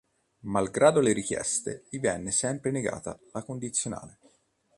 Malgrado le richieste, gli venne sempre negata la condizionale.